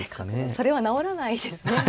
それは直らないですね。